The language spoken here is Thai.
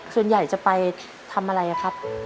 ส่วนใหญ่จะไปทำอะไรครับ